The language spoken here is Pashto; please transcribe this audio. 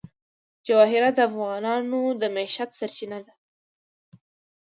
جواهرات د افغانانو د معیشت سرچینه ده.